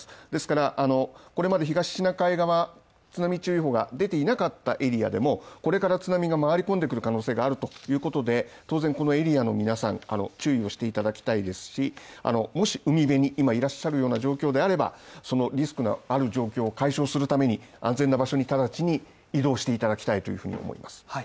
ですからこれまで東シナ海側津波注意報が出ていなかったエリアでもこれから津波が回り込んでくる可能性があるということで当然このエリアの皆さん注意をしていただきたいですしもし、海辺に今いらっしゃるような状況であれば、そのリスクのある状況を解消するために安全な場所に直ちに移動していただきたいというふうに思います。